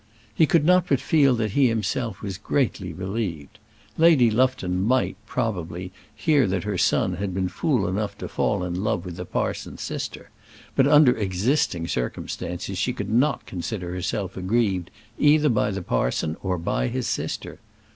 He could not but feel that he himself was greatly relieved. Lady Lufton might probably hear that her son had been fool enough to fall in love with the parson's sister, but under existing circumstances she could not consider herself aggrieved either by the parson or by his sister.